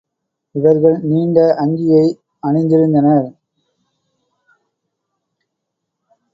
இவர்கள் நீண்ட அங்கியை அணிந்திருந்தனர்.